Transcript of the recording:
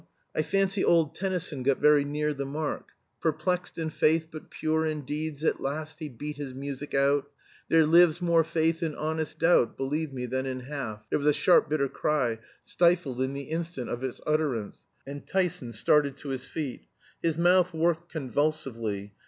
I fancy old Tennyson got very near the mark "'Perplexed in faith, but pure in deeds. At last he beat his music out; There lives more faith in honest doubt, Believe me, than in half '" There was a sharp bitter cry, stifled in the instant of its utterance, and Tyson started to his feet. His mouth worked convulsively.